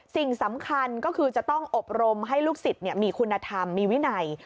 สิ่งสำคัญก็คือจะต้องอบรมให้ลูกศิษย์มีคุณธรรมมีวินัย